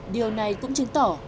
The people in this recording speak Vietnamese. điều này cũng chứng tỏ